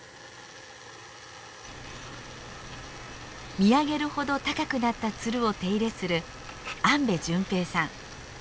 見上げるほど高くなったツルを手入れする安部純平さん。